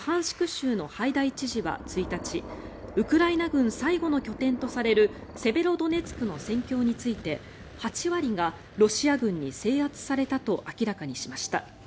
州のハイダイ知事は１日ウクライナ軍最後の拠点とされるセベロドネツクの戦況について８割がロシア軍に制圧されたと明らかにしました。